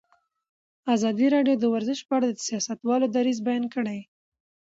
ازادي راډیو د ورزش په اړه د سیاستوالو دریځ بیان کړی.